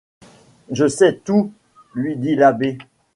Je sais tout, lui dit l’abbé.